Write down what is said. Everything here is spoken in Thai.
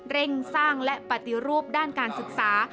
เร่งสร้างและปฏิรูปด้านการศึกษา